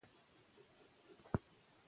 دې ژبې ته باید لومړیتوب ورکړو.